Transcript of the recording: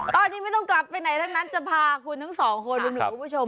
ตอนนี้ไม่ต้องกลับไปไหนทั้งนั้นจะพาคุณทั้งสองคนรวมถึงคุณผู้ชม